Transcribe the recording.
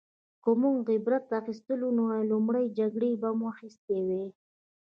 که موږ عبرت اخیستلی نو له لومړۍ جګړې به مو اخیستی وای